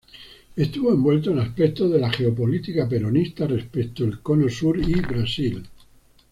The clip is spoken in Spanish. Estuvo envuelto en aspectos de la geopolítica peronista respecto al Cono Sur y Brasil.